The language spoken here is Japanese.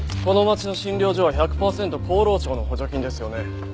この町の診療所は１００パーセント厚労省の補助金ですよね？